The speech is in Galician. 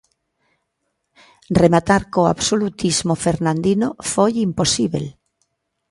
Rematar co absolutismo fernandino foi imposíbel.